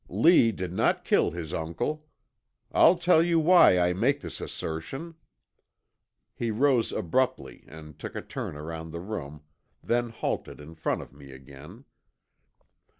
Lee did not kill his uncle. I'll tell you why I make this assertion." He rose abruptly and took a turn around the room, then halted in front of me again.